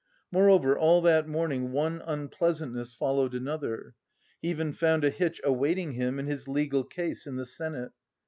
Moreover, all that morning one unpleasantness followed another. He even found a hitch awaiting him in his legal case in the senate.